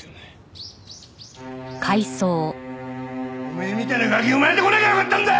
おめえみたいなガキ生まれてこなきゃよかったんだ！